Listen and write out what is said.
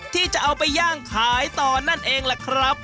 ที่จะเอาไปย่างขายต่อนั่นเองล่ะครับ